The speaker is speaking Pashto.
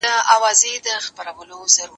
زه پرون د سبا لپاره د هنرونو تمرين کوم،